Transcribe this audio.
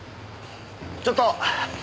ちょっと！